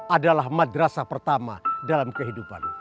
adalah madrasah pertama dalam kehidupan